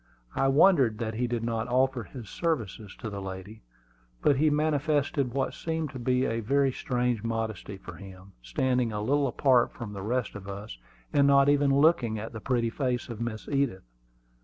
I wondered that he did not offer his services to the lady; but he manifested what seemed to be a very strange modesty for him, standing a little apart from the rest of us, and not even looking at the pretty face of Miss Edith.